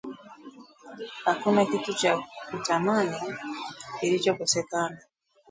Hakuna kitu cha thamani kilichokosekana